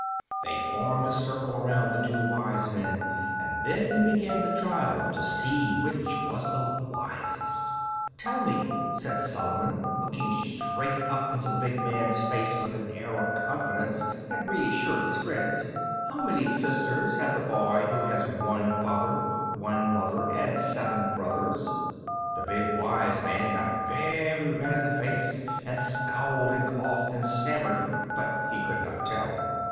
They formed a circle around the two wise men, and then began the trial to see which was the wisest. "Tell me," said Solomon, looking straight up into the big man's face with an air of confidence that reassured his friends, "how many sisters has a boy who has one father, one mother, and seven brothers?" The big wise man got very red in the face, and scowled and coughed and stammered, but he could not tell.